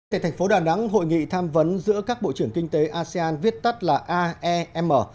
tại thành phố đà nẵng hội nghị tham vấn giữa các bộ trưởng kinh tế asean viết tắt là aem